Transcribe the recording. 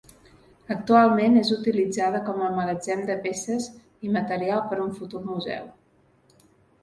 Actualment és utilitzada com a magatzem de peces i material per a un futur museu.